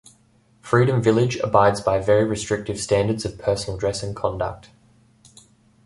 Freedom Village abides by very restrictive standards of personal dress and conduct.